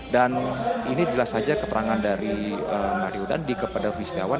dan ini jelas saja keterangan dari mario dandwi kepada rudy setiawan